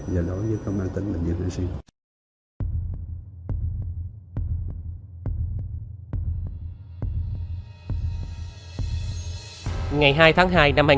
và nói chung và đối với công an tỉnh bình dương nữa xin